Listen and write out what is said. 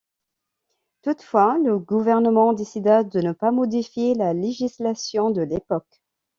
Toutefois, le gouvernement décida de ne pas modifier la législation de l'époque.